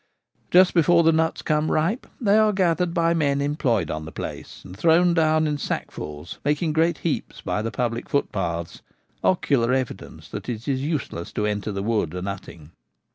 Just before the nuts become ripe they are gathered by men employed on the place, and thrown down in sackfuls, making great heaps by the public footpaths — ocular evidence that it is useless to enter the wood a nutting.